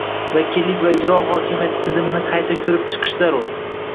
vakillik va ijro hokimiyati tizimini qayta ko‘rib chiqish zarur